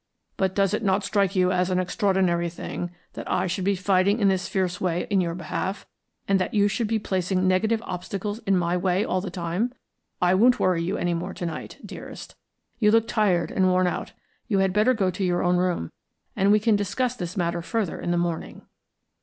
"But does it not strike you as an extraordinary thing that I should be fighting in this fierce way in your behalf, and that you should be placing negative obstacles in my way all the time? I won't worry you any more to night, dearest you look tired and worn out. You had better go to your own room, and we can discuss this matter further in the morning."